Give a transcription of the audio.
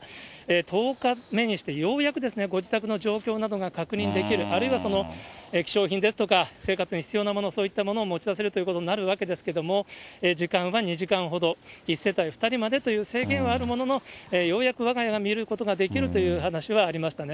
１０日目にしてようやくですね、ご自宅の状況などが確認できる、あるいは貴重品ですとか、生活に必要なもの、そういったものを持ち出せるということになるわけですけれども、時間は２時間ほど、１世帯２人までという制限はあるものの、ようやくわが家が見えることができるという話はありましたね。